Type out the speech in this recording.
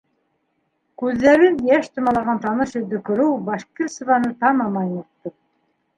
Күҙҙәрен йәш томалаған таныш йөҙҙө күреү Башкирцеваны тамам айнытты.